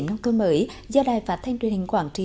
nông thôn mới do đài phát thanh truyền hình quảng trì